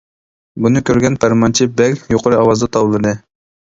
بۇنى كۆرگەن پەرمانچى بەگ يۇقىرى ئاۋازدا توۋلىدى.